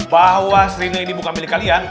bahwa si rina ini bukan milik kalian